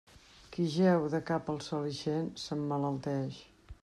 Qui jeu de cap a sol ixent, s'emmalalteix.